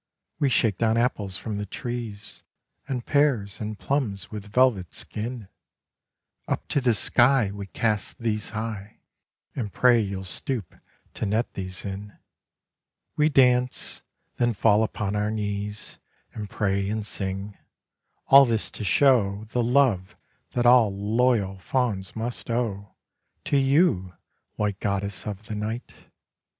We shake down apples from the trees And pears, and plums with velvet skin Up to the sky We cast these high And pray you'll stoop to net these in. We dance : then fall upon our knees And pray and sing — all this to show The love that all loyal fauns must owe To you, white goddess of the night.